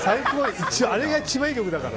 あれが一番いい曲だから。